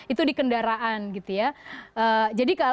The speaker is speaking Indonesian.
itu di kendaraan gitu ya